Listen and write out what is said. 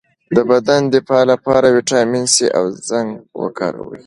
د بدن د دفاع لپاره ویټامین سي او زنک وکاروئ